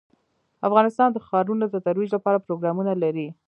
افغانستان د ښارونو د ترویج لپاره پروګرامونه لري.